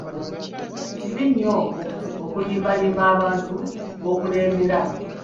kibi nnyo okulimbalimba abantu b'okulembera.